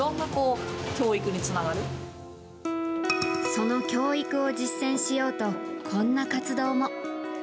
その教育を実践しようとこんな活動も。